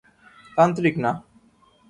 তান্ত্রিক না।